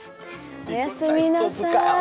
おやすみなさい。